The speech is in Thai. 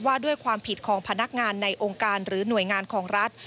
ว่าด้วยความผิดของพนักงานในองค์การหรือหน่วยงานของรัฐ